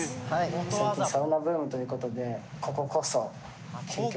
最近サウナブームということでこここそ。